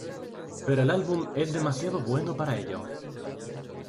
Pero el álbum es demasiado bueno para ello".